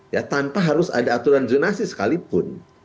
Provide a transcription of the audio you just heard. ya tanpa harus ada aturan zonasi sekalipun